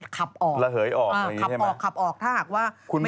ขับออกด้วยใช่ไหมครับถ้าหากว่าไม่จีบเลย